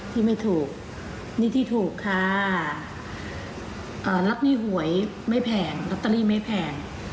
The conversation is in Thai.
ที่ไม่ถูกหนี้ที่ถูกค่ะรับหนี้หวยไม่แพงลอตเตอรี่ไม่แพง